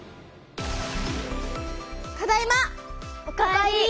ただいま！お帰り。